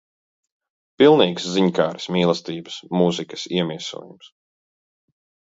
Pilnīgs ziņkāres, mīlestības, mūzikas iemiesojums.